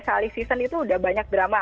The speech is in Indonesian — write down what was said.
sekali season itu udah banyak drama